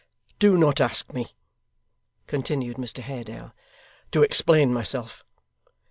'Do not ask me,' continued Mr Haredale, 'to explain myself.